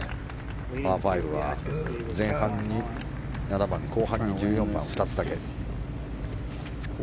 パー５は前半に７番後半に１４番２つだけ。